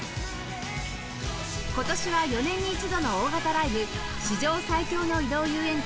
今年は４年に１度の大型ライブ「史上最強の移動遊園地